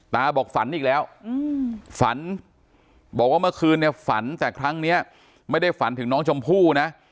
บอกฝันอีกแล้วฝันบอกว่าเมื่อคืนเนี่ยฝันแต่ครั้งนี้ไม่ได้ฝันถึงน้องชมพู่นะ